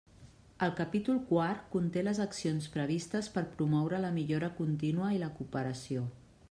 El capítol quart conté les accions previstes per promoure la millora contínua i la cooperació.